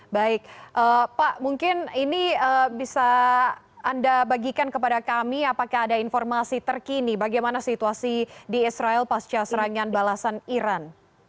baik pak mungkin ini bisa anda bagikan kepada kami apakah ada informasi terkini bagaimana situasi di israel pasca serangan balasan iran